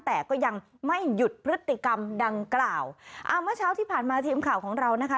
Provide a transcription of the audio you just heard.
แต่ก็ยังไม่หยุดพฤติกรรมดังกล่าวอ่าเมื่อเช้าที่ผ่านมาทีมข่าวของเรานะคะ